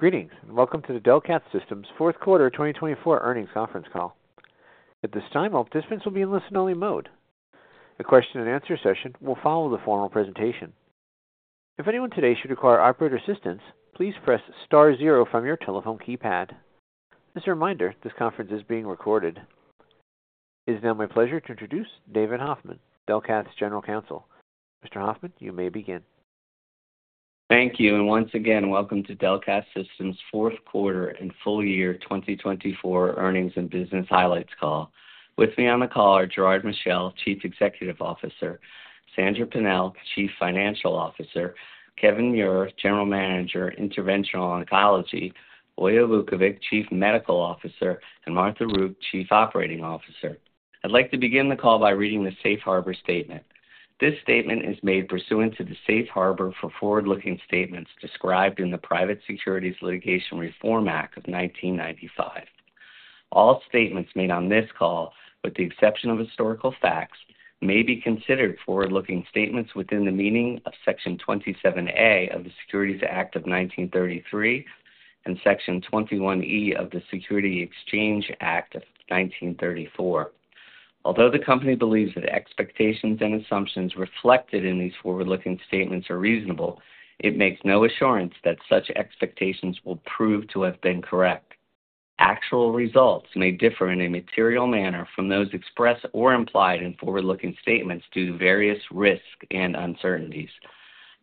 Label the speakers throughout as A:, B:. A: Greetings and welcome to the Delcath Systems Fourth Quarter 2024 Earnings Conference Call. At this time, all participants will be in listen-only mode. A question-and-answer session will follow the formal presentation. If anyone today should require operator assistance, please press star zero from your telephone keypad. As a reminder, this conference is being recorded. It is now my pleasure to introduce David Hoffman, Delcath's General Counsel. Mr. Hoffman, you may begin.
B: Thank you. Once again, welcome to Delcath Systems Fourth Quarter and full year 2024 Earnings and Business Highlights Call. With me on the call are Gerard Michel, Chief Executive Officer; Sandra Pennell, Chief Financial Officer; Kevin Muir, General Manager, Interventional Oncology; Oya Vukovic, Chief Medical Officer; and Martha Rook, Chief Operating Officer. I'd like to begin the call by reading the Safe Harbor Statement. This statement is made pursuant to the Safe Harbor for Forward-Looking Statements described in the Private Securities Litigation Reform Act of 1995. All statements made on this call, with the exception of historical facts, may be considered forward-looking statements within the meaning of Section 27A of the Securities Act of 1933 and Section 21E of the Securities Exchange Act of 1934. Although the company believes that expectations and assumptions reflected in these forward-looking statements are reasonable, it makes no assurance that such expectations will prove to have been correct. Actual results may differ in a material manner from those expressed or implied in forward-looking statements due to various risks and uncertainties.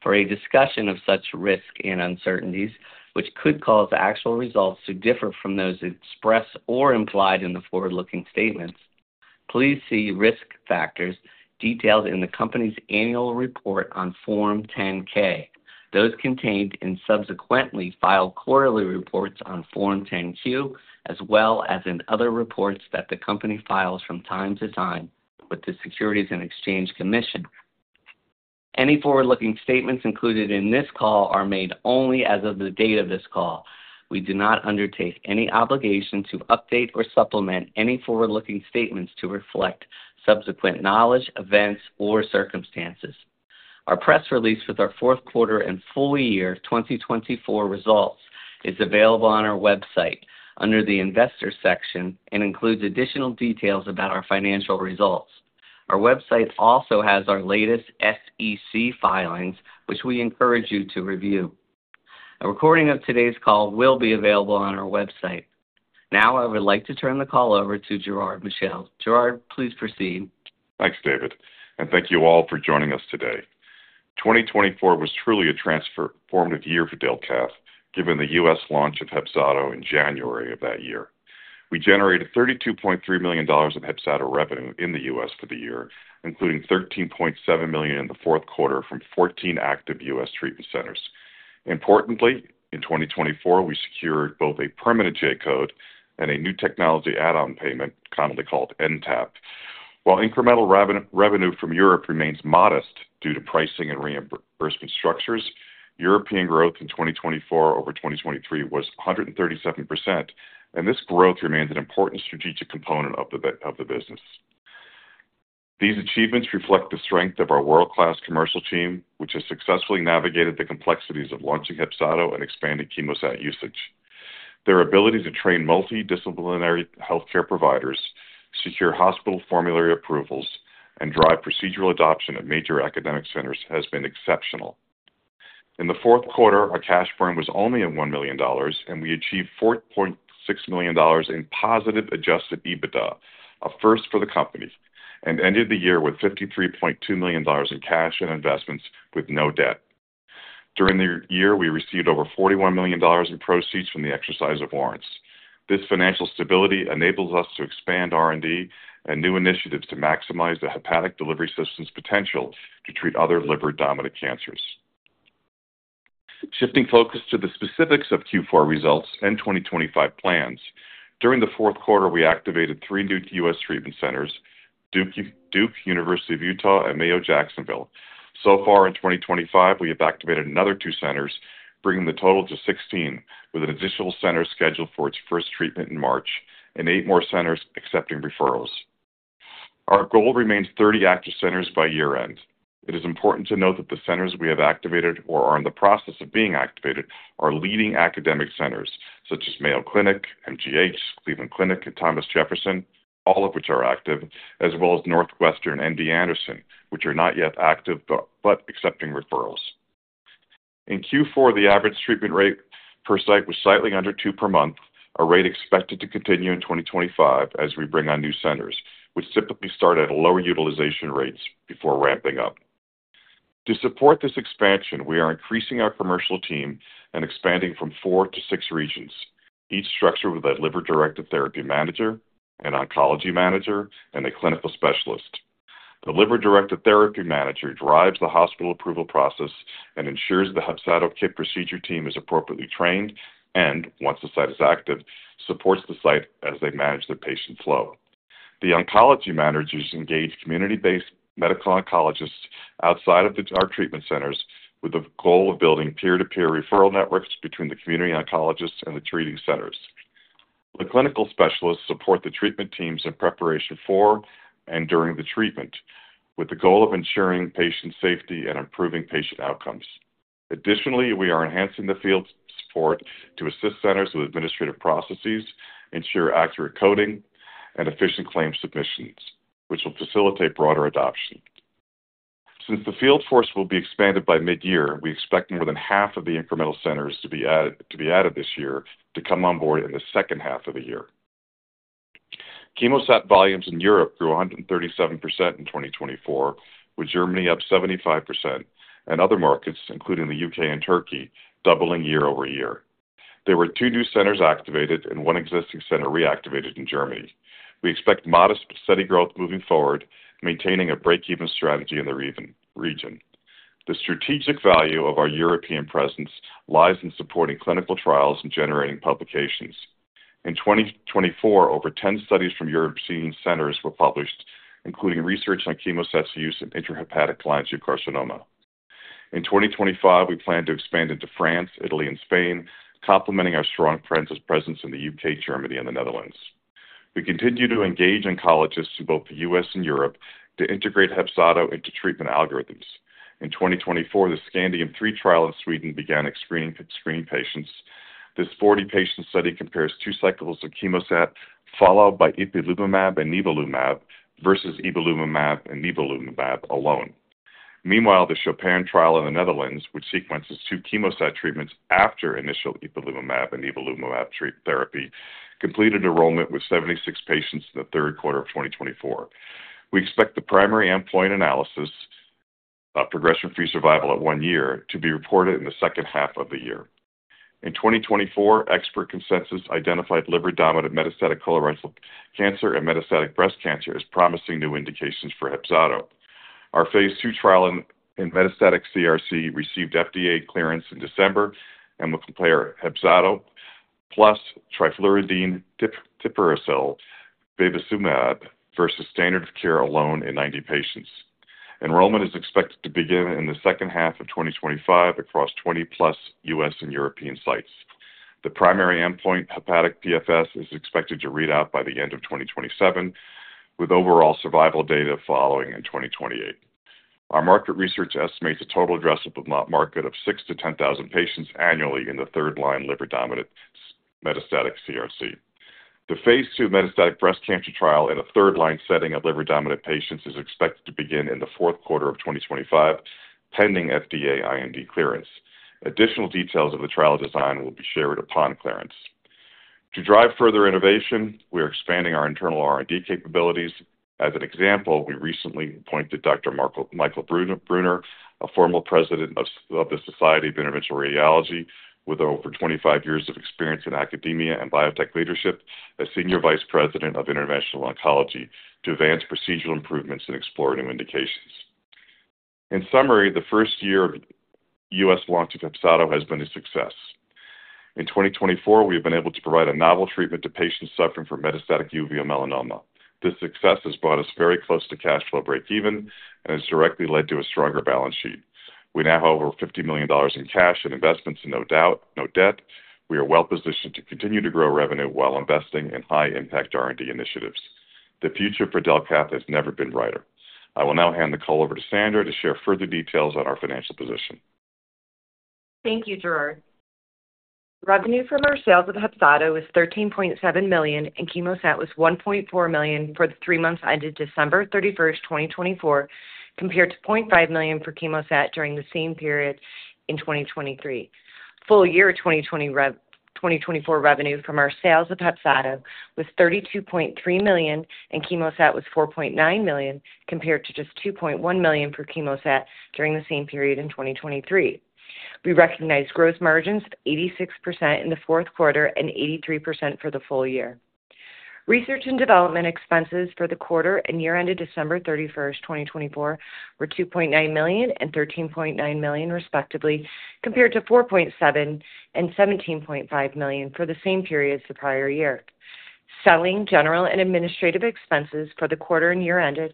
B: For a discussion of such risks and uncertainties, which could cause actual results to differ from those expressed or implied in the forward-looking statements, please see risk factors detailed in the company's annual report on Form 10-K, those contained in subsequently filed quarterly reports on Form 10-Q, as well as in other reports that the company files from time to time with the Securities and Exchange Commission. Any forward-looking statements included in this call are made only as of the date of this call. We do not undertake any obligation to update or supplement any forward-looking statements to reflect subsequent knowledge, events, or circumstances. Our press release with our fourth quarter and full year 2024 results is available on our website under the Investor section and includes additional details about our financial results. Our website also has our latest SEC filings, which we encourage you to review. A recording of today's call will be available on our website. Now, I would like to turn the call over to Gerard Michel. Gerard, please proceed.
C: Thanks, David. Thank you all for joining us today. 2024 was truly a transformative year for Delcath, given the U.S. launch of HEPZATO in January of that year. We generated $32.3 million of HEPZATO revenue in the U.S. for the year, including $13.7 million in the fourth quarter from 14 active U.S. treatment centers. Importantly, in 2024, we secured both a permanent J-code and a new technology add-on payment, commonly called NTAP. While incremental revenue from Europe remains modest due to pricing and reimbursement structures, European growth in 2024 over 2023 was 137%, and this growth remains an important strategic component of the business. These achievements reflect the strength of our world-class commercial team, which has successfully navigated the complexities of launching HEPZATO and expanding CHEMOSAT usage. Their ability to train multidisciplinary healthcare providers, secure hospital formulary approvals, and drive procedural adoption at major academic centers has been exceptional. In the fourth quarter, our cash burn was only $1 million, and we achieved $4.6 million in positive adjusted EBITDA, a first for the company, and ended the year with $53.2 million in cash and investments with no debt. During the year, we received over $41 million in proceeds from the exercise of warrants. This financial stability enables us to expand R&D and new initiatives to maximize the hepatic delivery system's potential to treat other liver-dominant cancers. Shifting focus to the specifics of Q4 results and 2025 plans, during the fourth quarter, we activated three new U.S. treatment centers: Duke University, University of Utah, and Mayo Jacksonville. In 2025, we have activated another two centers, bringing the total to 16, with an additional center scheduled for its first treatment in March and eight more centers accepting referrals. Our goal remains 30 active centers by year-end. It is important to note that the centers we have activated or are in the process of being activated are leading academic centers such as Mayo Clinic, MGH, Cleveland Clinic, and Thomas Jefferson, all of which are active, as well as Northwestern and MD Anderson, which are not yet active but accepting referrals. In Q4, the average treatment rate per site was slightly under two per month, a rate expected to continue in 2025 as we bring on new centers, which typically start at lower utilization rates before ramping up. To support this expansion, we are increasing our commercial team and expanding from four to six regions, each structured with a liver-directed therapy manager, an oncology manager, and a clinical specialist. The liver-directed therapy manager drives the hospital approval process and ensures the HEPZATO kit procedure team is appropriately trained and, once the site is active, supports the site as they manage the patient flow. The oncology manager has engaged community-based medical oncologists outside of our treatment centers with the goal of building peer-to-peer referral networks between the community oncologists and the treating centers. The clinical specialists support the treatment teams in preparation for and during the treatment, with the goal of ensuring patient safety and improving patient outcomes. Additionally, we are enhancing the field support to assist centers with administrative processes, ensure accurate coding, and efficient claim submissions, which will facilitate broader adoption. Since the field force will be expanded by mid-year, we expect more than half of the incremental centers to be added this year to come on board in the second half of the year. CHEMOSAT volumes in Europe grew 137% in 2024, with Germany up 75%, and other markets, including the U.K. and Turkey, doubling year-over-year. There were two new centers activated and one existing center reactivated in Germany. We expect modest but steady growth moving forward, maintaining a break-even strategy in the region. The strategic value of our European presence lies in supporting clinical trials and generating publications. In 2024, over 10 studies from European centers were published, including research on CHEMOSAT's use in intrahepatic lymph node carcinoma. In 2025, we plan to expand into France, Italy, and Spain, complementing our strong presence in the U.K., Germany, and the Netherlands. We continue to engage oncologists in both the U.S. and Europe to integrate HEPZATO into treatment algorithms. In 2024, the Scandium-3 trial in Sweden began screening patients. This 40-patient study compares two cycles of CHEMOSAT followed by ipilimumab and nivolumab versus ipilimumab and nivolumab alone. Meanwhile, the Chopin trial in the Netherlands, which sequences two CHEMOSAT treatments after initial ipilimumab and nivolumab therapy, completed enrollment with 76 patients in the third quarter of 2024. We expect the primary endpoint analysis, progression-free survival at one year, to be reported in the second half of the year. In 2024, expert consensus identified liver-dominant metastatic colorectal cancer and metastatic breast cancer as promising new indications for HEPZATO. Our phase two trial in metastatic CRC received FDA clearance in December and will compare HEPZATO plus trifluridine/tipiracil/bevacizumab versus standard of care alone in 90 patients. Enrollment is expected to begin in the second half of 2025 across 20-plus U.S. and European sites. The primary endpoint hepatic PFS is expected to read out by the end of 2027, with overall survival data following in 2028. Our market research estimates a total addressable market of 6,000-10,000 patients annually in the third-line liver-dominant metastatic CRC. The phase two metastatic breast cancer trial in a third-line setting of liver-dominant patients is expected to begin in the fourth quarter of 2025, pending FDA IND clearance. Additional details of the trial design will be shared upon clearance. To drive further innovation, we are expanding our internal R&D capabilities. As an example, we recently appointed Dr. Michael Bruner, a former president of the Society of Interventional Radiology, with over 25 years of experience in academia and biotech leadership, as Senior Vice President of Interventional Oncology to advance procedural improvements and explore new indications. In summary, the first year of U.S. launch of HEPZATO has been a success. In 2024, we have been able to provide a novel treatment to patients suffering from metastatic uveal melanoma. This success has brought us very close to cash flow break-even and has directly led to a stronger balance sheet. We now have over $50 million in cash and investments and no debt. We are well-positioned to continue to grow revenue while investing in high-impact R&D initiatives. The future for Delcath has never been brighter. I will now hand the call over to Sandra to share further details on our financial position.
D: Thank you, Gerard. Revenue from our sales of HEPZATO was $13.7 million, and CHEMOSAT was $1.4 million for the three months ended December 31, 2024, compared to $0.5 million for CHEMOSAT during the same period in 2023. Full year 2024 revenue from our sales of HEPZATO was $32.3 million, and CHEMOSAT was $4.9 million, compared to just $2.1 million for CHEMOSAT during the same period in 2023. We recognized gross margins of 86% in the fourth quarter and 83% for the full year. Research and development expenses for the quarter and year-end of December 31, 2024, were $2.9 million and $13.9 million, respectively, compared to $4.7 million and $17.5 million for the same period as the prior year. Selling, general and administrative expenses for the quarter and year-ended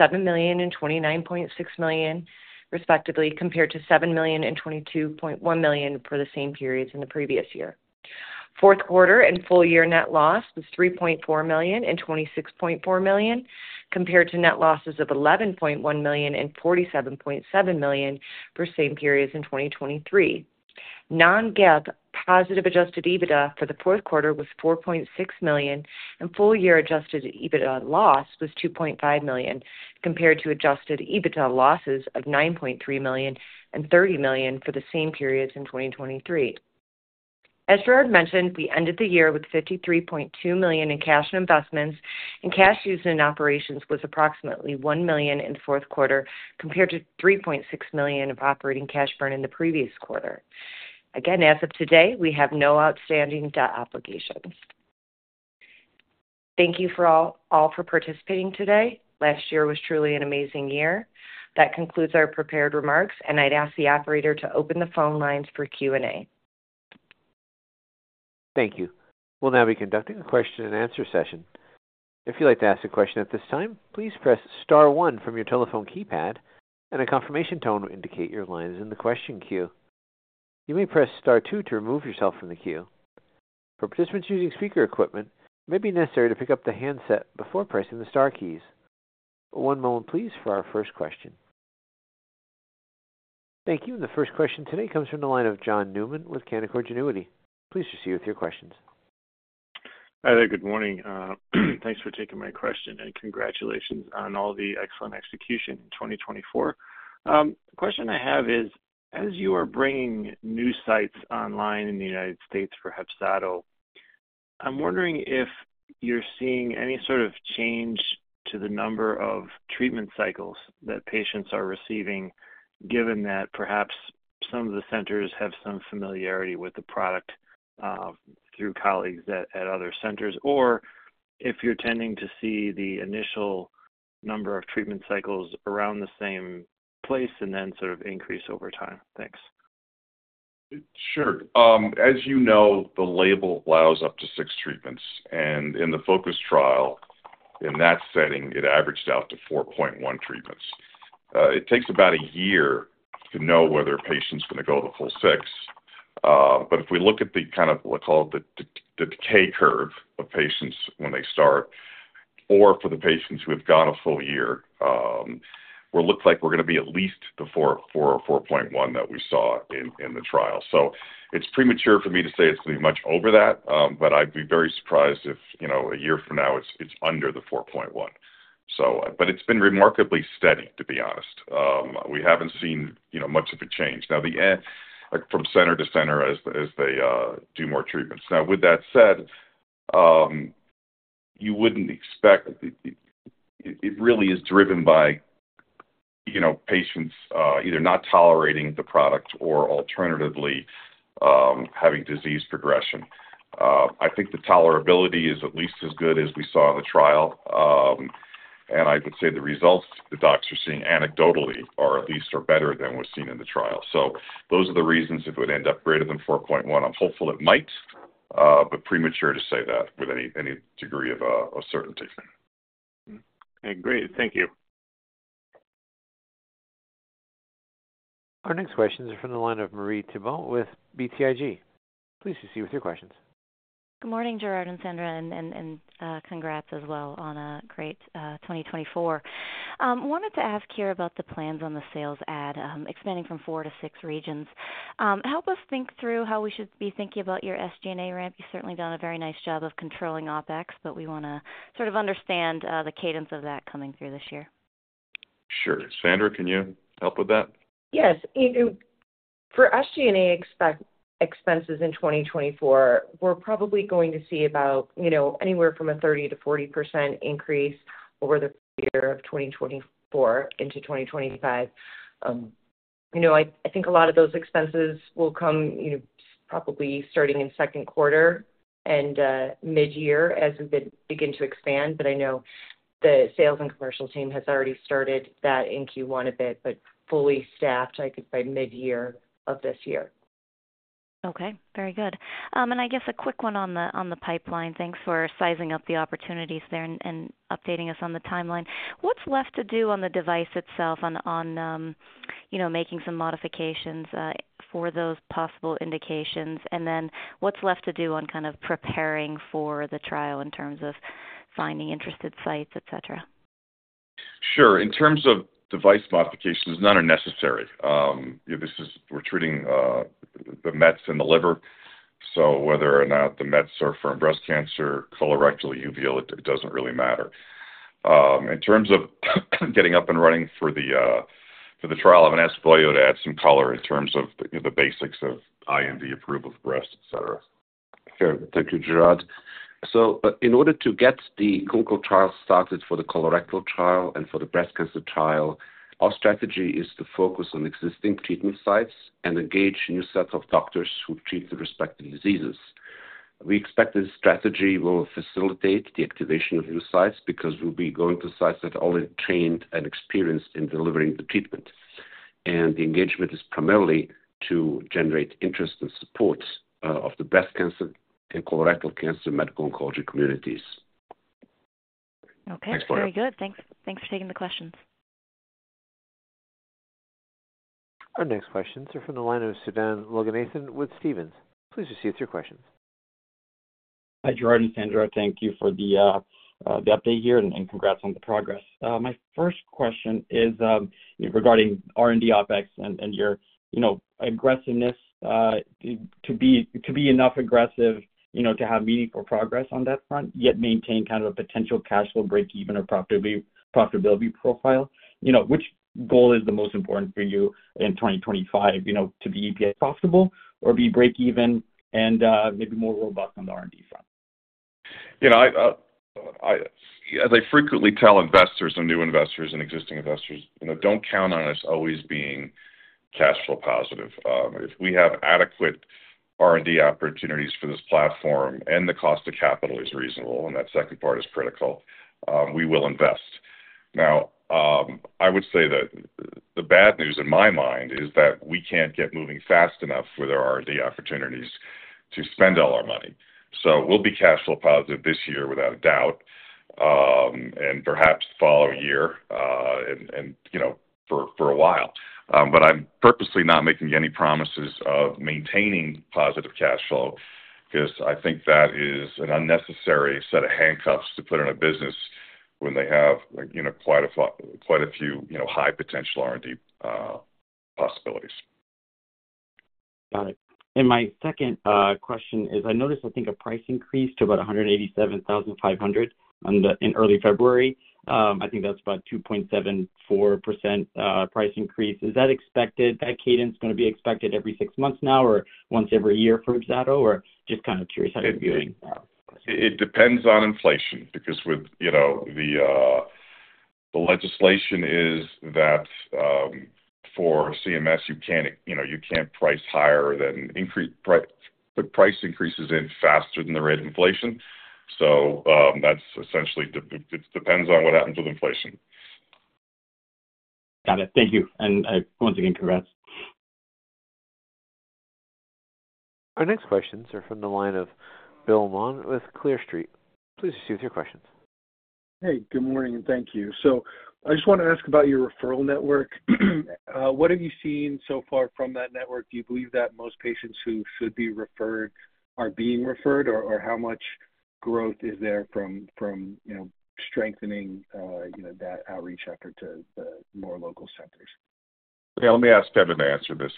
D: were $7 million and $29.6 million, respectively, compared to $7 million and $22.1 million for the same periods in the previous year. Fourth quarter and full year net loss was $3.4 million and $26.4 million, compared to net losses of $11.1 million and $47.7 million for the same period as in 2023. Non-GAAP positive adjusted EBITDA for the fourth quarter was $4.6 million, and full year adjusted EBITDA loss was $2.5 million, compared to adjusted EBITDA losses of $9.3 million and $30 million for the same periods in 2023. As Gerard mentioned, we ended the year with $53.2 million in cash and investments, and cash used in operations was approximately $1 million in the fourth quarter, compared to $3.6 million of operating cash burn in the previous quarter. Again, as of today, we have no outstanding debt obligations. Thank you all for participating today. Last year was truly an amazing year. That concludes our prepared remarks, and I'd ask the operator to open the phone lines for Q&A.
A: Thank you. We'll now be conducting a question-and-answer session. If you'd like to ask a question at this time, please press star one from your telephone keypad, and a confirmation tone will indicate your line is in the question queue. You may press star two to remove yourself from the queue. For participants using speaker equipment, it may be necessary to pick up the handset before pressing the star keys. One moment, please, for our first question. Thank you. The first question today comes from the line of John Newman with Canaccord Genuity. Please proceed with your questions.
E: Hi, there. Good morning. Thanks for taking my question, and congratulations on all the excellent execution in 2024. The question I have is, as you are bringing new sites online in the United States for HEPZATO, I'm wondering if you're seeing any sort of change to the number of treatment cycles that patients are receiving, given that perhaps some of the centers have some familiarity with the product through colleagues at other centers, or if you're tending to see the initial number of treatment cycles around the same place and then sort of increase over time. Thanks.
C: Sure. As you know, the label allows up to six treatments, and in the FOCUS trial in that setting, it averaged out to 4.1 treatments. It takes about a year to know whether a patient's going to go to the full six. If we look at the kind of, let's call it the decay curve of patients when they start, or for the patients who have gone a full year, it looks like we're going to be at least the 4 or 4.1 that we saw in the trial. It is premature for me to say it is going to be much over that, but I'd be very surprised if a year from now it is under the 4.1. It has been remarkably steady, to be honest. We haven't seen much of a change. Now, from center to center as they do more treatments. Now, with that said, you wouldn't expect it really is driven by patients either not tolerating the product or alternatively having disease progression. I think the tolerability is at least as good as we saw in the trial, and I would say the results the docs are seeing anecdotally are at least better than what's seen in the trial. Those are the reasons if it would end up greater than 4.1. I'm hopeful it might, but premature to say that with any degree of certainty.
E: Okay. Great. Thank you.
A: Our next questions are from the line of Marie Thibault with BTIG. Please proceed with your questions.
F: Good morning, Gerard and Sandra, and congrats as well on a great 2024. I wanted to ask here about the plans on the sales ad expanding from four to six regions. Help us think through how we should be thinking about your SG&A ramp. You've certainly done a very nice job of controlling OpEx, but we want to sort of understand the cadence of that coming through this year.
C: Sure. Sandra, can you help with that?
D: Yes. For SG&A expenses in 2024, we're probably going to see about anywhere from a 30-40% increase over the year of 2024 into 2025. I think a lot of those expenses will come probably starting in second quarter and mid-year as we begin to expand, but I know the sales and commercial team has already started that in Q1 a bit, but fully staffed, I think, by mid-year of this year.
F: Okay. Very good. I guess a quick one on the pipeline. Thanks for sizing up the opportunities there and updating us on the timeline. What's left to do on the device itself on making some modifications for those possible indications, and then what's left to do on kind of preparing for the trial in terms of finding interested sites, etc.?
C: Sure. In terms of device modifications, none are necessary. We're treating the meds in the liver, so whether or not the meds are for breast cancer, colorectal, uveal, it doesn't really matter. In terms of getting up and running for the trial, I've been asked by you to add some color in terms of the basics of IND approval for breast, etc.
G: Fair. Thank you, Gerard. In order to get the clinical trial started for the colorectal trial and for the breast cancer trial, our strategy is to focus on existing treatment sites and engage new sets of doctors who treat the respective diseases. We expect this strategy will facilitate the activation of new sites because we'll be going to sites that are already trained and experienced in delivering the treatment. The engagement is primarily to generate interest and support of the breast cancer and colorectal cancer medical oncology communities.
F: Okay. Very good. Thanks for taking the questions.
A: Our next questions are from the line of Sudan Loganathan with Stephens. Please proceed with your questions.
H: Hi, Gerard and Sandra. Thank you for the update here and congrats on the progress. My first question is regarding R&D OpEx and your aggressiveness to be enough aggressive to have meaningful progress on that front, yet maintain kind of a potential cash flow break-even or profitability profile. Which goal is the most important for you in 2025, to be profitable or be break-even and maybe more robust on the R&D front?
C: As I frequently tell investors and new investors and existing investors, don't count on us always being cash flow positive. If we have adequate R&D opportunities for this platform and the cost of capital is reasonable, and that second part is critical, we will invest. Now, I would say that the bad news in my mind is that we can't get moving fast enough with our R&D opportunities to spend all our money. We will be cash flow positive this year without a doubt, and perhaps the following year and for a while. I'm purposely not making any promises of maintaining positive cash flow because I think that is an unnecessary set of handcuffs to put on a business when they have quite a few high potential R&D possibilities.
H: Got it. My second question is, I noticed, I think, a price increase to about $187,500 in early February. I think that's about a 2.74% price increase. Is that expected? That cadence is going to be expected every six months now or once every year for HEPZATO, or just kind of curious how you're viewing that?
C: It depends on inflation because the legislation is that for CMS, you can't price higher than the price increases in faster than the rate of inflation. That's essentially it depends on what happens with inflation.
H: Got it. Thank you. Once again, congrats.
A: Our next questions are from the line of Bill Maughan with Clear Street. Please proceed with your questions.
I: Hey, good morning, and thank you. I just want to ask about your referral network. What have you seen so far from that network? Do you believe that most patients who should be referred are being referred, or how much growth is there from strengthening that outreach effort to more local centers?
C: Yeah, let me ask Kevin to answer this.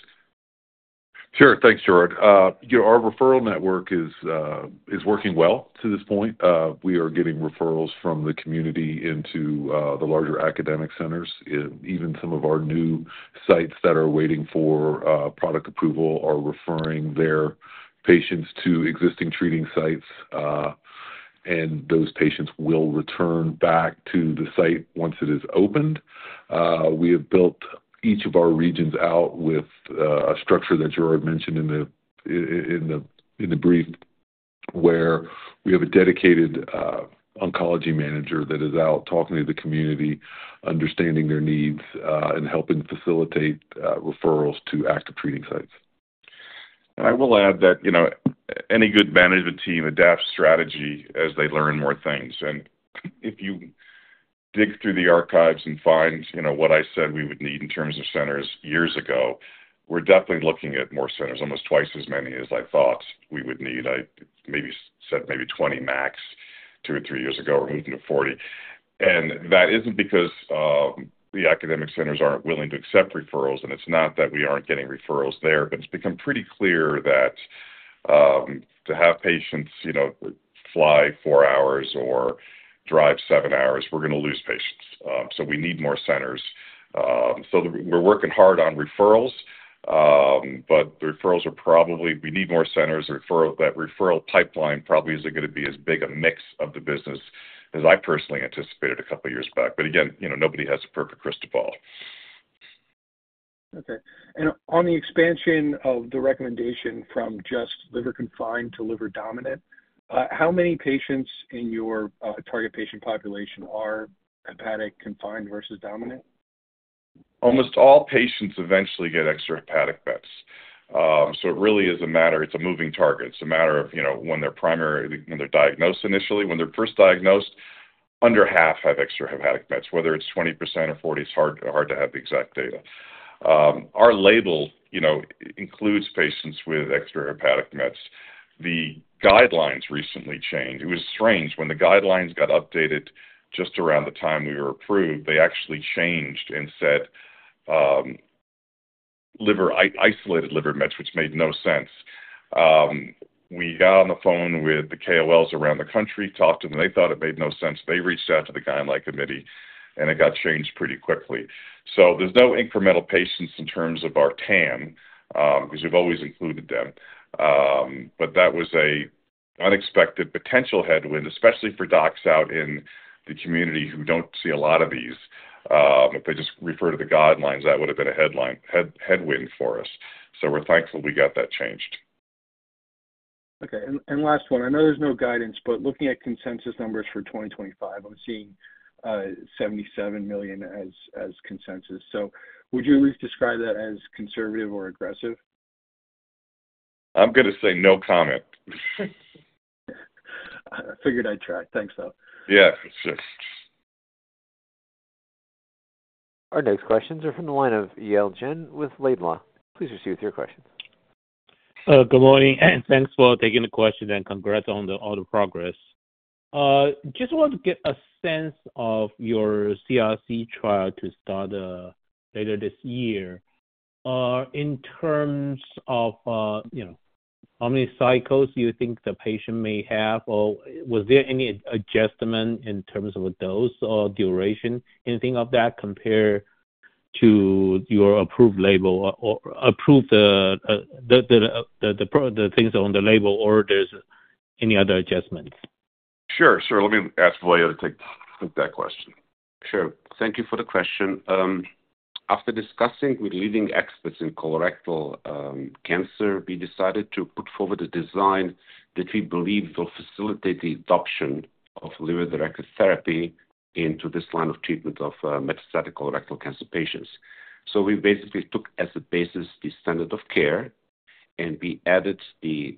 J: Sure. Thanks, Gerard. Our referral network is working well to this point. We are getting referrals from the community into the larger academic centers. Even some of our new sites that are waiting for product approval are referring their patients to existing treating sites, and those patients will return back to the site once it is opened. We have built each of our regions out with a structure that Gerard mentioned in the brief where we have a dedicated oncology manager that is out talking to the community, understanding their needs, and helping facilitate referrals to active treating sites. I will add that any good management team adapts strategy as they learn more things.
C: If you dig through the archives and find what I said we would need in terms of centers years ago, we're definitely looking at more centers, almost twice as many as I thought we would need. I maybe said maybe 20 max two or three years ago, or moved into 40. That isn't because the academic centers aren't willing to accept referrals, and it's not that we aren't getting referrals there, but it's become pretty clear that to have patients fly four hours or drive seven hours, we're going to lose patients. We need more centers. We're working hard on referrals, but the referrals are probably we need more centers. That referral pipeline probably isn't going to be as big a mix of the business as I personally anticipated a couple of years back. Again, nobody has a perfect crystal ball.
I: Okay. On the expansion of the recommendation from just liver confined to liver dominant, how many patients in your target patient population are hepatic confined versus dominant?
C: Almost all patients eventually get extra hepatic beds. It really is a matter, it's a moving target. It's a matter of when they're diagnosed initially, when they're first diagnosed, under half have extra hepatic beds, whether it's 20% or 40%. It's hard to have the exact data. Our label includes patients with extra hepatic beds. The guidelines recently changed. It was strange. When the guidelines got updated just around the time we were approved, they actually changed and said isolated liver beds, which made no sense. We got on the phone with the KOLs around the country, talked to them. They thought it made no sense. They reached out to the guideline committee, and it got changed pretty quickly. There's no incremental patients in terms of our TAM because we've always included them. That was an unexpected potential headwind, especially for docs out in the community who don't see a lot of these. If they just refer to the guidelines, that would have been a headwind for us. We're thankful we got that changed.
I: Okay. Last one. I know there's no guidance, but looking at consensus numbers for 2025, I'm seeing $77 million as consensus. Would you at least describe that as conservative or aggressive?
C: I'm going to say no comment.
I: I figured I'd try. Thanks, though.
C: Yeah.
A: Our next questions are from the line of Yale Jen with Laidlaw. Please proceed with your questions.
K: Good morning. Thanks for taking the question and congrats on all the progress. Just want to get a sense of your CRC trial to start later this year. In terms of how many cycles do you think the patient may have, or was there any adjustment in terms of a dose or duration? Anything of that compared to your approved label or approved the things on the label, or there's any other adjustments?
C: Sure. Sir, let me ask Vojo to take that question.
G: Sure. Thank you for the question. After discussing with leading experts in colorectal cancer, we decided to put forward a design that we believe will facilitate the adoption of liver-directed therapy into this line of treatment of metastatic colorectal cancer patients. We basically took as a basis the standard of care, and we added the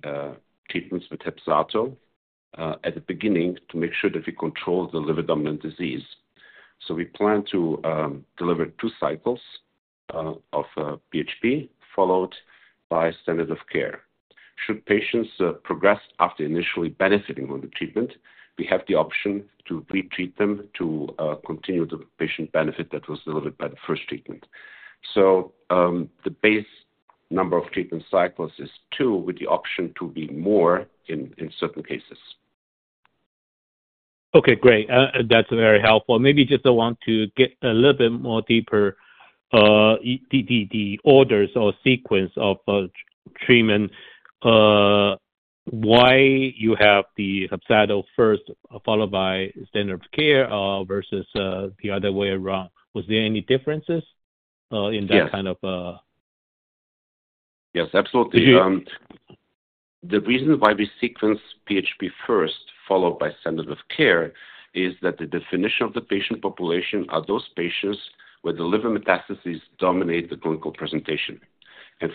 G: treatments with HEPZATO at the beginning to make sure that we control the liver dominant disease. We plan to deliver two cycles of PHP followed by standard of care. Should patients progress after initially benefiting from the treatment, we have the option to retreat them to continue the patient benefit that was delivered by the first treatment. The base number of treatment cycles is two, with the option to be more in certain cases.
K: Okay. Great. That's very helpful. Maybe just I want to get a little bit more deeper the orders or sequence of treatment. Why you have the HEPZATO first followed by standard of care versus the other way around? Was there any differences in that kind of?
G: Yes, absolutely. The reason why we sequence PHP first followed by standard of care is that the definition of the patient population are those patients where the liver metastases dominate the clinical presentation.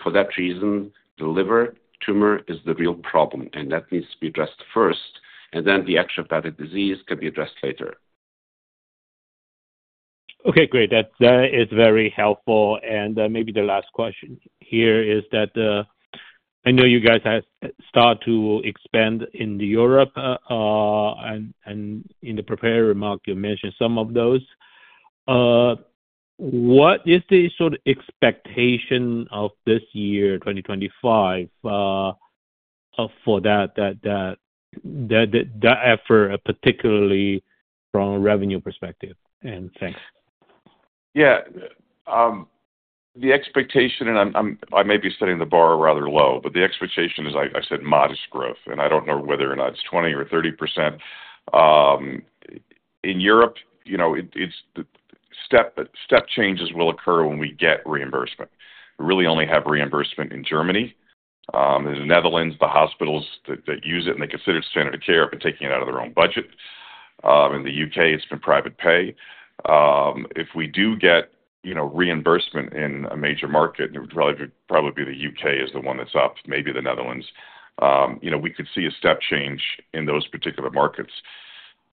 G: For that reason, the liver tumor is the real problem, and that needs to be addressed first, and then the extra hepatic disease can be addressed later.
K: Okay. Great. That is very helpful. Maybe the last question here is that I know you guys have started to expand in Europe, and in the prepared remark, you mentioned some of those. What is the sort of expectation of this year, 2025, for that effort, particularly from a revenue perspective? Thanks.
C: Yeah. The expectation—and I may be setting the bar rather low—but the expectation is, I said, modest growth. I don't know whether or not it's 20% or 30%. In Europe, step changes will occur when we get reimbursement. We really only have reimbursement in Germany. In the Netherlands, the hospitals that use it and they consider it standard of care have been taking it out of their own budget. In the U.K., it's been private pay. If we do get reimbursement in a major market, it would probably be the U.K. as the one that's up, maybe the Netherlands. We could see a step change in those particular markets.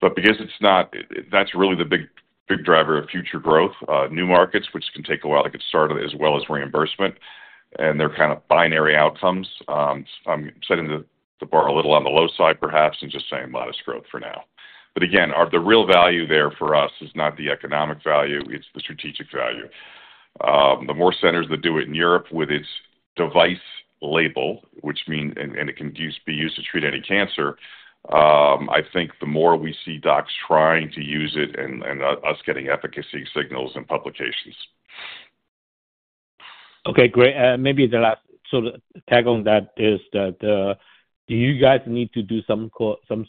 C: Because it's not—that's really the big driver of future growth—new markets, which can take a while to get started, as well as reimbursement, and they're kind of binary outcomes. I'm setting the bar a little on the low side, perhaps, and just saying modest growth for now. Again, the real value there for us is not the economic value. It's the strategic value. The more centers that do it in Europe with its device label, which means it can be used to treat any cancer, I think the more we see docs trying to use it and us getting efficacy signals and publications.
K: Okay. Great. Maybe the last sort of tag on that is that do you guys need to do some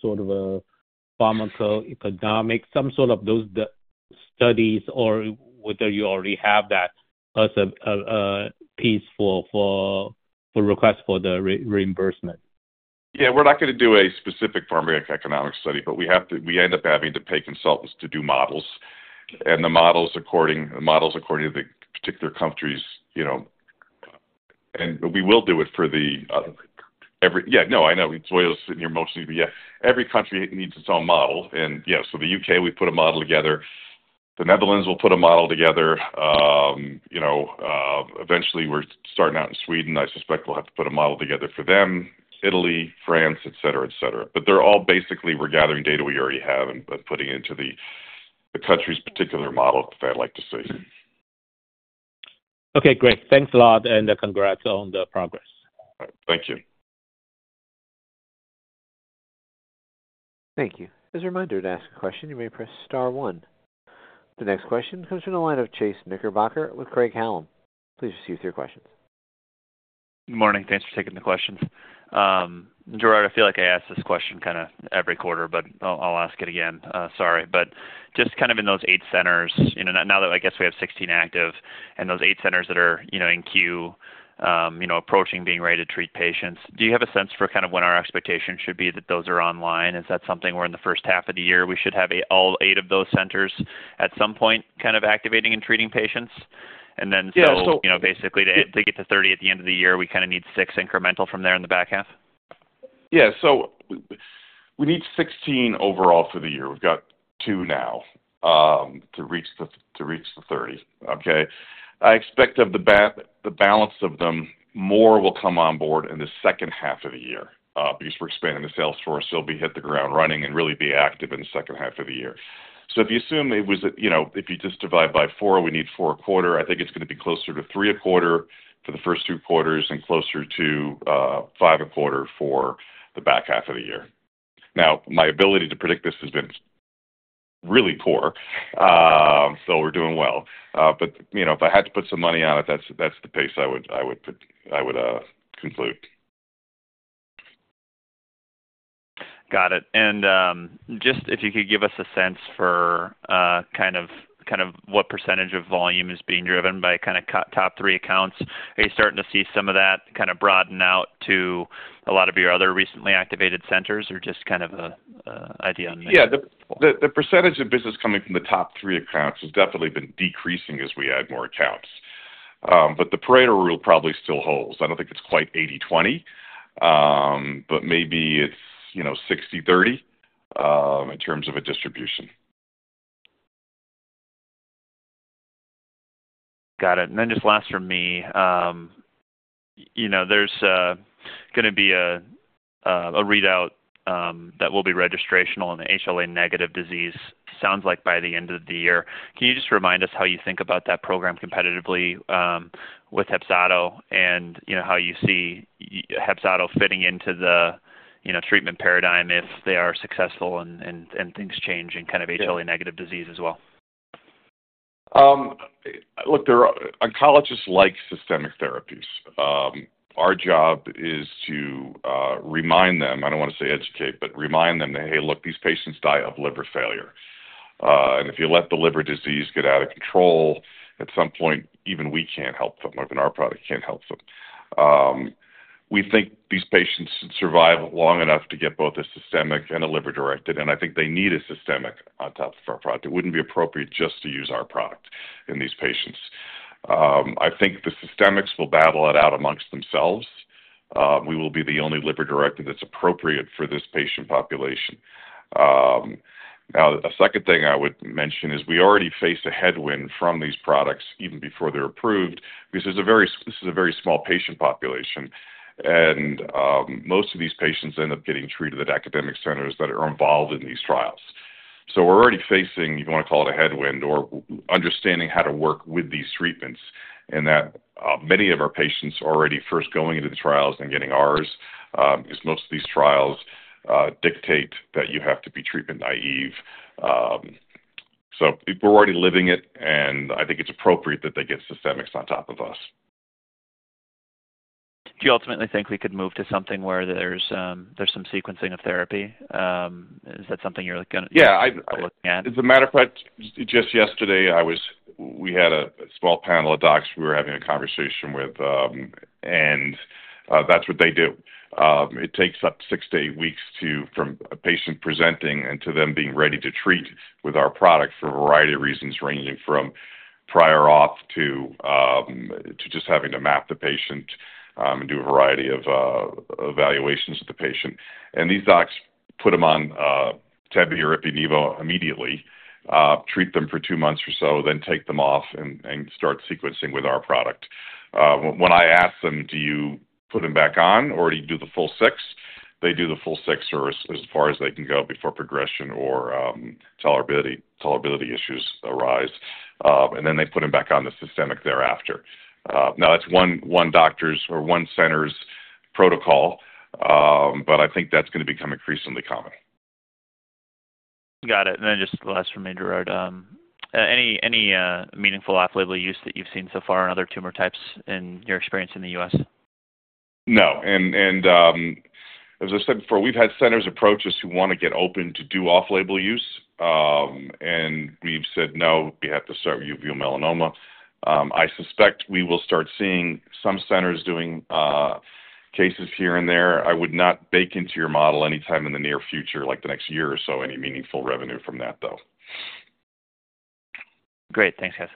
K: sort of a pharma economic, some sort of those studies, or whether you already have that piece for request for the reimbursement?
C: Yeah. We're not going to do a specific pharma economic study, but we end up having to pay consultants to do models. And the models according to the particular countries—we will do it for the—yeah, no, I know. Vojislav's sitting here mostly, but yeah. Every country needs its own model. The U.K., we put a model together. The Netherlands will put a model together. Eventually, we're starting out in Sweden. I suspect we'll have to put a model together for them: Italy, France, etc., etc. They're all basically—we're gathering data we already have and putting it into the country's particular model that they'd like to see.
K: Okay. Great. Thanks a lot, and congrats on the progress.
C: Thank you.
A: Thank you. As a reminder to ask a question, you may press star one. The next question comes from the line of Chase Knickerbocker with Craig-Hallum. Please proceed with your questions.
L: Good morning. Thanks for taking the questions. Gerard, I feel like I ask this question kind of every quarter, but I'll ask it again. Sorry. Just kind of in those eight centers, now that I guess we have 16 active and those eight centers that are in queue, approaching, being ready to treat patients, do you have a sense for kind of when our expectation should be that those are online? Is that something where in the first half of the year we should have all eight of those centers at some point kind of activating and treating patients?
C: Yeah. So.
L: Basically, to get to 30 at the end of the year, we kind of need six incremental from there in the back half.
C: Yeah. So we need 16 overall for the year. We've got two now to reach the 30. Okay? I expect of the balance of them, more will come on board in the second half of the year because we're expanding the sales force. They'll be hit the ground running and really be active in the second half of the year. If you assume it was—if you just divide by four, we need four a quarter, I think it's going to be closer to three a quarter for the first two quarters and closer to five a quarter for the back half of the year. Now, my ability to predict this has been really poor, so we're doing well. If I had to put some money on it, that's the pace I would conclude.
L: Got it. If you could give us a sense for kind of what percentage of volume is being driven by kind of top three accounts, are you starting to see some of that kind of broaden out to a lot of your other recently activated centers or just kind of an idea on that?
C: Yeah. The percentage of business coming from the top three accounts has definitely been decreasing as we add more accounts. The Pareto rule probably still holds. I don't think it's quite 80/20, but maybe it's 60/30 in terms of a distribution.
L: Got it. Just last from me, there's going to be a readout that will be registrational on the HLA negative disease. Sounds like by the end of the year. Can you just remind us how you think about that program competitively with HEPZATO and how you see HEPZATO fitting into the treatment paradigm if they are successful and things change in kind of HLA negative disease as well?
C: Look, oncologists like systemic therapies. Our job is to remind them—I don't want to say educate, but remind them that, "Hey, look, these patients die of liver failure." If you let the liver disease get out of control, at some point, even we can't help them, or even our product can't help them. We think these patients survive long enough to get both a systemic and a liver-directed, and I think they need a systemic on top of our product. It wouldn't be appropriate just to use our product in these patients. I think the systemics will battle it out amongst themselves. We will be the only liver-directed that's appropriate for this patient population. Now, a second thing I would mention is we already face a headwind from these products even before they're approved because this is a very small patient population, and most of these patients end up getting treated at academic centers that are involved in these trials. We are already facing—you want to call it a headwind—or understanding how to work with these treatments. Many of our patients already first going into the trials and getting ours because most of these trials dictate that you have to be treatment naive. We are already living it, and I think it's appropriate that they get systemics on top of us.
L: Do you ultimately think we could move to something where there's some sequencing of therapy? Is that something you're going to be looking at?
C: Yeah. As a matter of fact, just yesterday, we had a small panel of docs we were having a conversation with. That's what they do. It takes up six to eight weeks from a patient presenting to them being ready to treat with our product for a variety of reasons, ranging from prior auth to just having to map the patient and do a variety of evaluations of the patient. These docs put them on Tebi or Epinevo immediately, treat them for two months or so, then take them off and start sequencing with our product. When I ask them, "Do you put them back on, or do you do the full six?" they do the full six or as far as they can go before progression or tolerability issues arise. They put them back on the systemic thereafter. Now, that's one doctor's or one center's protocol, but I think that's going to become increasingly common.
L: Got it. Just the last from me, Gerard. Any meaningful off-label use that you've seen so far in other tumor types in your experience in the U.S.?
C: No. As I said before, we've had centers approach us who want to get open to do off-label use. We've said, "No, we have to start with uveal melanoma." I suspect we will start seeing some centers doing cases here and there. I would not bake into your model anytime in the near future, like the next year or so, any meaningful revenue from that, though.
L: Great. Thanks, guys.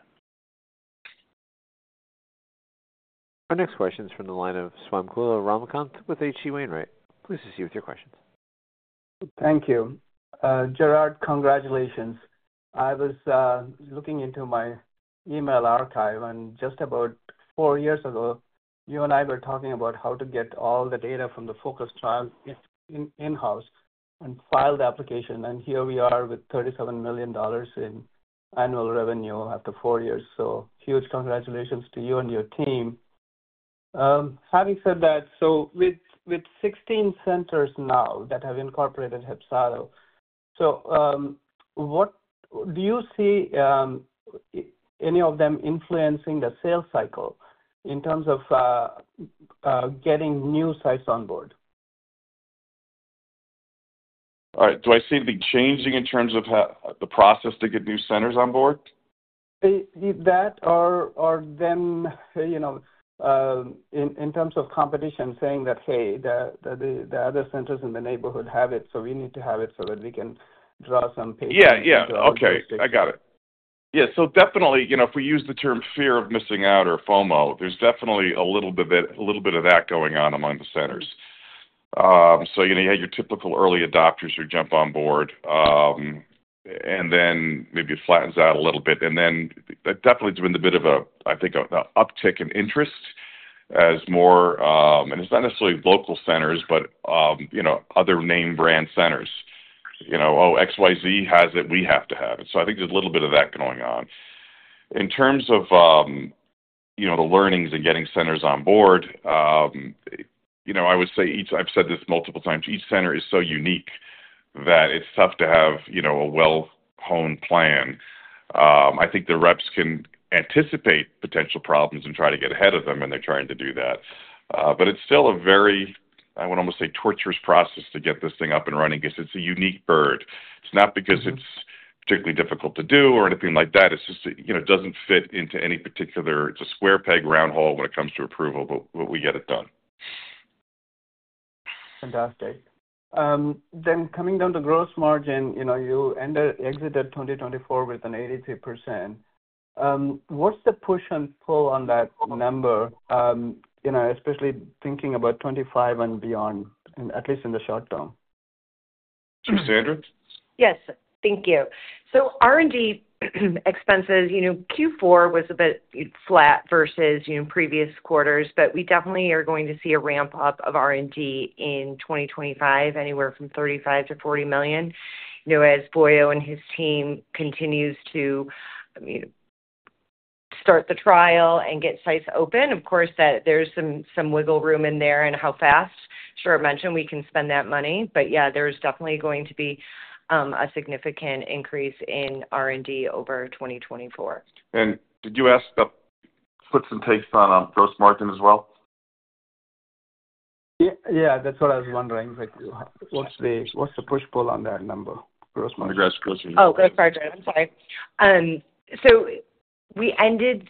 A: Our next question is from the line of Swamkula Ramakant with H.C. Wainwright. Please proceed with your questions.
M: Thank you. Gerard, congratulations. I was looking into my email archive, and just about four years ago, you and I were talking about how to get all the data from the FOCUS trials in-house and file the application. Here we are with $37 million in annual revenue after four years. Huge congratulations to you and your team. Having said that, with 16 centers now that have incorporated HEPZATO, do you see any of them influencing the sales cycle in terms of getting new sites on board?
C: All right. Do I see anything changing in terms of the process to get new centers on board?
M: That or then in terms of competition, saying that, "Hey, the other centers in the neighborhood have it, so we need to have it so that we can draw some patients.
C: Yeah. Yeah. Okay. I got it. Yeah. If we use the term fear of missing out or FOMO, there's definitely a little bit of that going on among the centers. You had your typical early adopters who jump on board, and then maybe it flattens out a little bit. There has been a bit of an, I think, uptick in interest as more—and it's not necessarily local centers, but other name-brand centers. "Oh, XYZ has it. We have to have it." I think there's a little bit of that going on. In terms of the learnings and getting centers on board, I would say—I've said this multiple times—each center is so unique that it's tough to have a well-honed plan. I think the reps can anticipate potential problems and try to get ahead of them when they're trying to do that. It is still a very—I want to almost say—torturous process to get this thing up and running because it is a unique bird. It is not because it is particularly difficult to do or anything like that. It is just it does not fit into any particular—it is a square peg, round hole when it comes to approval, but we get it done.
M: Fantastic. Coming down to gross margin, you exited 2024 with an 83%. What's the push and pull on that number, especially thinking about 2025 and beyond, at least in the short term?
C: Sandra.
D: Yes. Thank you. R&D expenses, Q4 was a bit flat versus previous quarters, but we definitely are going to see a ramp-up of R&D in 2025, anywhere from $35 million-$40 million. As Oya and his team continue to start the trial and get sites open, of course, there's some wiggle room in there. How fast, as Gerard mentioned, we can spend that money. Yeah, there's definitely going to be a significant increase in R&D over 2024.
C: Did you ask to put some takes on gross margin as well?
M: Yeah. That's what I was wondering. What's the push-pull on that number, gross margin?
C: On the gross margin.
D: Oh, sorry. I'm sorry. We ended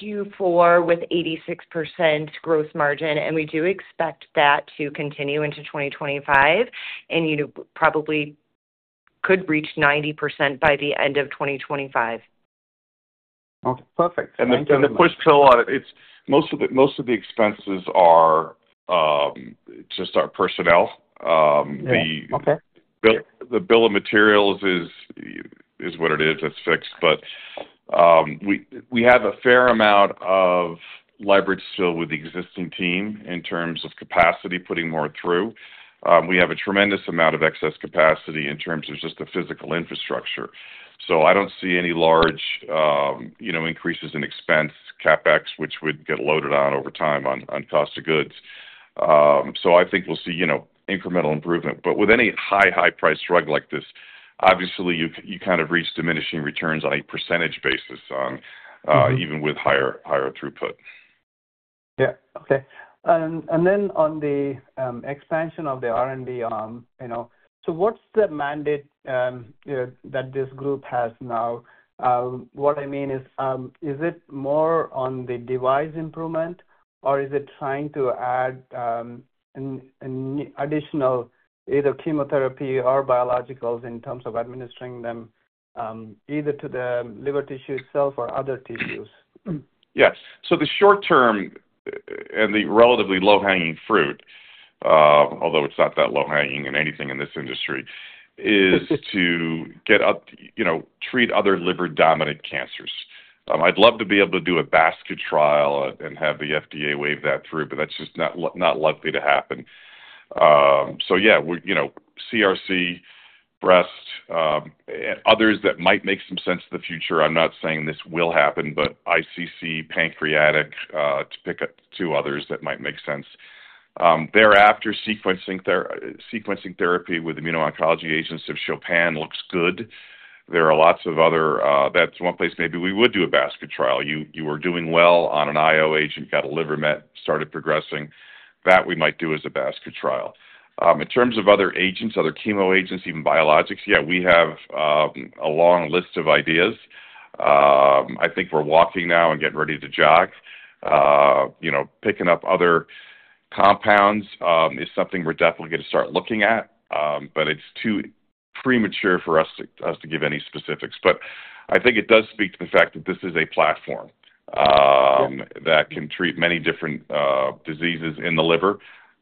D: Q4 with 86% gross margin, and we do expect that to continue into 2025 and probably could reach 90% by the end of 2025.
M: Okay. Perfect.
C: The push-pull on it, most of the expenses are just our personnel. The bill of materials is what it is. It's fixed. We have a fair amount of leverage still with the existing team in terms of capacity, putting more through. We have a tremendous amount of excess capacity in terms of just the physical infrastructure. I do not see any large increases in expense, CapEx, which would get loaded on over time on cost of goods. I think we'll see incremental improvement. With any high-priced drug like this, obviously, you kind of reach diminishing returns on a percentage basis even with higher throughput.
M: Yeah. Okay. On the expansion of the R&D arm, what is the mandate that this group has now? What I mean is, is it more on the device improvement, or is it trying to add additional either chemotherapy or biologicals in terms of administering them either to the liver tissue itself or other tissues?
C: Yes. The short-term and the relatively low-hanging fruit, although it's not that low-hanging in anything in this industry, is to get up to treat other liver-dominant cancers. I'd love to be able to do a basket trial and have the FDA wave that through, but that's just not likely to happen. Yeah, CRC, breast, others that might make some sense in the future. I'm not saying this will happen, but ICC, pancreatic, to pick two others that might make sense. Thereafter, sequencing therapy with immuno-oncology agents of Chopin looks good. There are lots of other—that's one place maybe we would do a basket trial. You were doing well on an IO agent. You got a liver met, started progressing. That we might do as a basket trial. In terms of other agents, other chemo agents, even biologics, yeah, we have a long list of ideas. I think we're walking now and getting ready to jog. Picking up other compounds is something we're definitely going to start looking at, but it's too premature for us to give any specifics. I think it does speak to the fact that this is a platform that can treat many different diseases in the liver.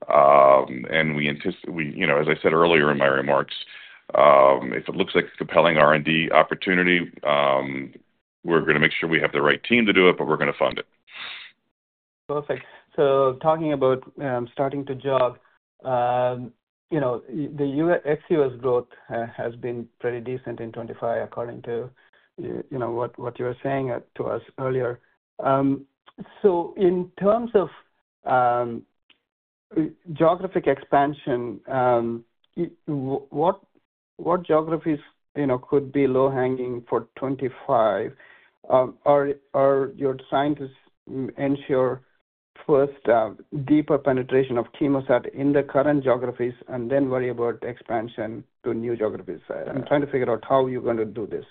C: We anticipate, as I said earlier in my remarks, if it looks like a compelling R&D opportunity, we're going to make sure we have the right team to do it, but we're going to fund it.
M: Perfect. Talking about starting to jog, the XUS growth has been pretty decent in 2025, according to what you were saying to us earlier. In terms of geographic expansion, what geographies could be low-hanging for 2025? Are your scientists ensuring first deeper penetration of CHEMOSAT in the current geographies and then worry about expansion to new geographies? I'm trying to figure out how you're going to do this.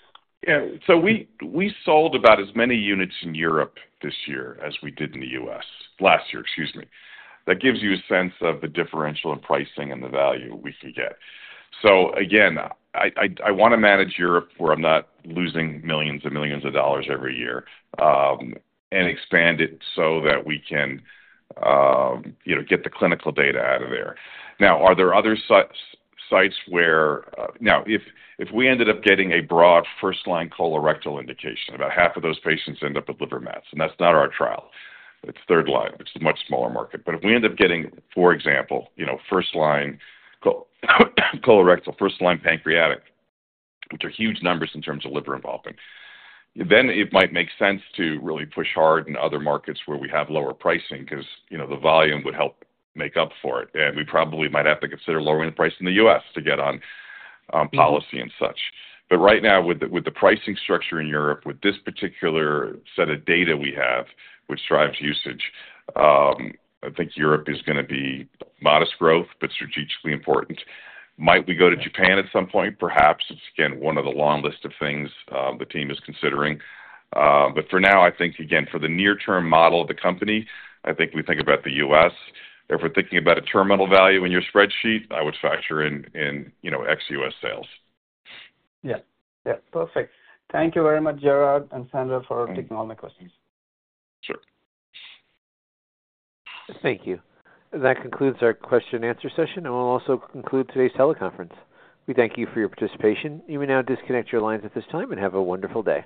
C: Yeah. We sold about as many units in Europe this year as we did in the U.S. last year. Excuse me. That gives you a sense of the differential in pricing and the value we can get. Again, I want to manage Europe where I'm not losing millions and millions of dollars every year and expand it so that we can get the clinical data out of there. Now, are there other sites where now, if we ended up getting a broad first-line colorectal indication, about half of those patients end up with liver mets, and that's not our trial. It's third line. It's a much smaller market. If we end up getting, for example, first-line colorectal, first-line pancreatic, which are huge numbers in terms of liver involvement, then it might make sense to really push hard in other markets where we have lower pricing because the volume would help make up for it. We probably might have to consider lowering the price in the U.S. to get on policy and such. Right now, with the pricing structure in Europe, with this particular set of data we have, which drives usage, I think Europe is going to be modest growth, but strategically important. Might we go to Japan at some point? Perhaps. It's, again, one of the long list of things the team is considering. For now, I think, again, for the near-term model of the company, I think we think about the U.S. If we're thinking about a terminal value in your spreadsheet, I would factor in ex-U.S. sales.
M: Yeah. Yeah. Perfect. Thank you very much, Gerard and Sandra, for taking all my questions.
C: Sure.
A: Thank you. That concludes our question-and-answer session, and we will also conclude today's teleconference. We thank you for your participation. You may now disconnect your lines at this time and have a wonderful day.